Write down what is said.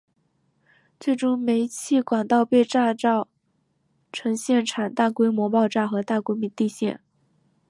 最终煤气管道被炸造成现场大规模爆炸和大规模地陷。